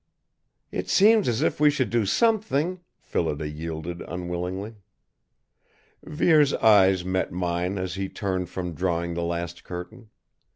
"It seems as if we should do something!" Phillida yielded unwillingly. Vere's eyes met mine as he turned from drawing the last curtain.